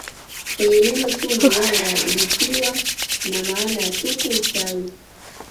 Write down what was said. kwenye neno Sumbu wanga likiwa na maana ya tupa uchawi